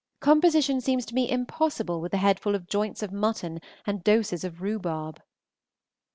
Composition seems to me impossible with a head full of joints of mutton and doses of rhubarb.